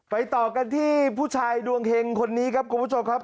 ต่อกันที่ผู้ชายดวงเฮงคนนี้ครับคุณผู้ชมครับ